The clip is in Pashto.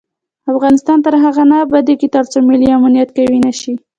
افغانستان تر هغو نه ابادیږي، ترڅو ملي امنیت قوي نشي.